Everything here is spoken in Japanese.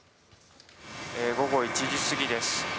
午後１時過ぎです。